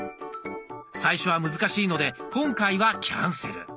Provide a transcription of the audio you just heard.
最初は難しいので今回はキャンセル。